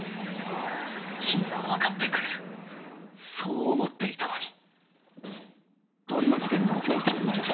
君は分かってくれるそう思っていたのに